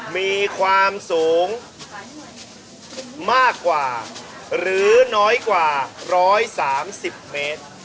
มีความสูงมากกว่าหรือน้อยกว่าร้อยสามสิบเมตร